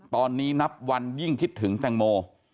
ตอนนี้นับวันยิ่งคิดถึงแตงโม